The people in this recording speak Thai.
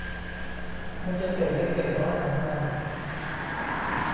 ไม่ใช่เศษเล็กเศษน้อยของมัน